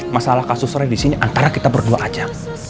masalah kasus roy disini antara kita berdua aja